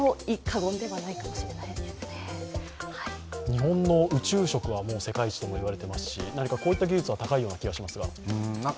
日本の宇宙食は世界一と言われていますし、こういった技術は高いような気がしますが。